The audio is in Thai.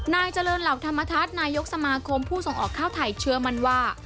นายเจริญเหล่าธรรมทัศน์นายกสมาคมผู้ส่งออกข้าวไทยเชื่อมั่นว่า